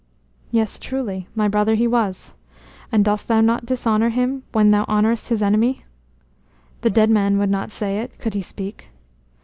"Yes, truly, my brother he was." "And dost thou not dishonor him when thou honorest his enemy?" "The dead man would not say it, could he speak."